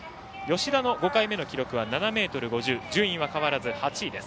吉田の５回目の記録は７ｍ５０、順位は変わらず８位。